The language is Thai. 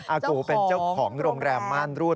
อากูเป็นเจ้าของโรงแรมม่านรูด